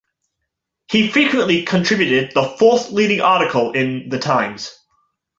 He frequently contributed the fourth leading article in "The Times".